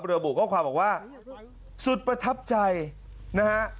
ระบุข้อความบอกว่าสุดประทับใจนะฮะ